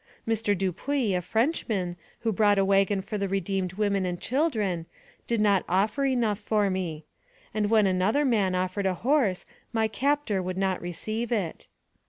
" Mr. Dupuy, a Frenchman, who brought a wagon for the redeemed women and children, did not offer enough for me ; and when another man offered a horse my captor would not receive it.